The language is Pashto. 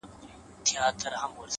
لوړ لید د امکاناتو افق پراخوي,